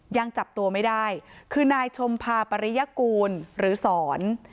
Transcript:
ยังจับตัวไม่ได้คือนายชมพาปริยกูลหรือสอน